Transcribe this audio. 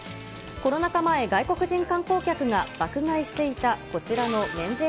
コロナ禍前、外国人観光客が爆買いしていたこちらの免税